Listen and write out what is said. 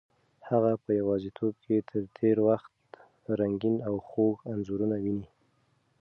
هغه په یوازیتوب کې د تېر وخت رنګین او خوږ انځورونه ویني.